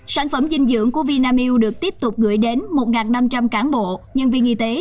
sản phẩm dinh dưỡng của vinamilk được tiếp tục gửi đến một năm trăm linh cán bộ nhân viên y tế